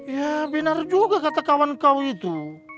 ya benar juga kata kawan kawan itu